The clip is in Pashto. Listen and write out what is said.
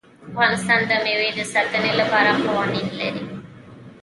افغانستان د مېوې د ساتنې لپاره قوانین لري.